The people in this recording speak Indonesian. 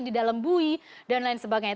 di dalam bui dan lain sebagainya